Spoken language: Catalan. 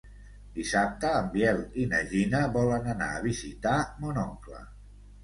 Dissabte en Biel i na Gina volen anar a visitar mon oncle.